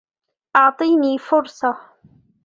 اعطيني فرصة!